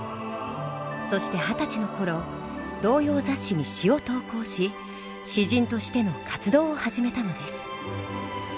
そして二十歳の頃童謡雑誌に詩を投稿し詩人としての活動を始めたのです。